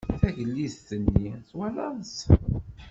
Tagellidt-nni twalaḍ-tt?